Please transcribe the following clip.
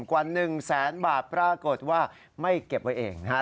กว่า๑แสนบาทปรากฏว่าไม่เก็บไว้เองนะฮะ